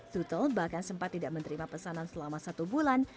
tutel bahkan sempat tidak menerima pesanan selama satu bulan